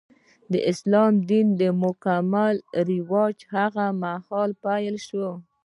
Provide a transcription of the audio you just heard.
د اسلام دین مکمل رواج هغه مهال پیل شو.